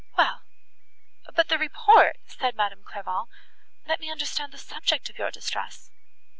"Well! but the report," said Madame Clairval, "let me understand the subject of your distress."